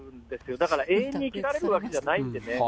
だから永遠に生きられるわけじゃないんでね。